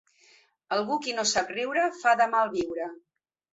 Amb qui no sap riure fa de mal viure.